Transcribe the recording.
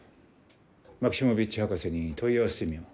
マキシモヴィッチ博士に問い合わせてみよう。